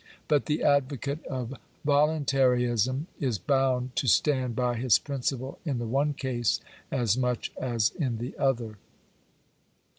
But the advocate of voluntaryism is bound to stand by his principle in the one case as much as in the other.